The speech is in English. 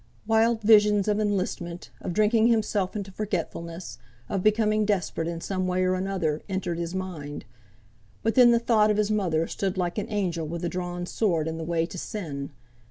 Wild visions of enlistment, of drinking himself into forgetfulness, of becoming desperate in some way or another, entered his mind; but then the thought of his mother stood like an angel with a drawn sword in the way to sin.